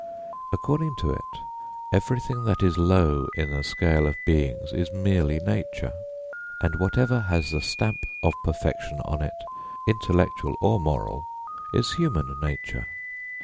According to it, everything that is low in the scale of beings is merely nature, and whatever has the stamp of perfection on it, intellectual or moral, is human nature.